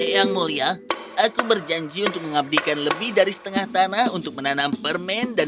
yang mulia aku berjanji untuk mengabdikan lebih dari setengah tanah untuk menanam permen dan